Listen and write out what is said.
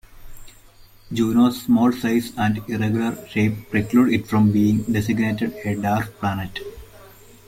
Juno's small size and irregular shape preclude it from being designated a dwarf planet.